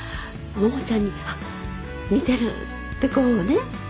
百ちゃんに似てる」ってこうね。